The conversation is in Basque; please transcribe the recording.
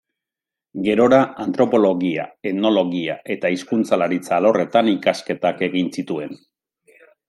Gerora, antropologia, etnologia eta hizkuntzalaritza alorretan ikasketak egin zituen.